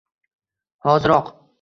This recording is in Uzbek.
Hoziroq